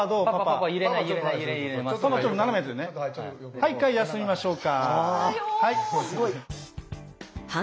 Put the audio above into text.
はい一回休みましょうか。